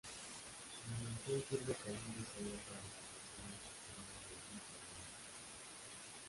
La mansión sirve como un diseño para la Mansión encantada de Disneyland.